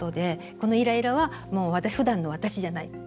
このイライラはもうふだんの私じゃない。